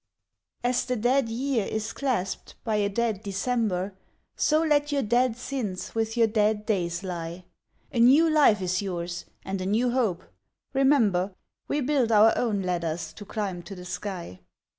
As the dead year is clasped by a dead December, So let your dead sins with your dead days lie. A new life is yours, and a new hope. Remember, We build our own ladders to climb to the sky.